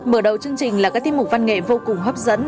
mở đầu chương trình là các tiết mục văn nghệ vô cùng hấp dẫn